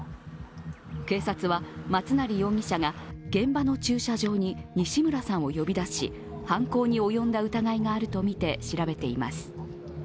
警察は、松成容疑者が現場の駐車場に西村さんを呼び出し犯行に及んだ疑いがあるとみて調べています。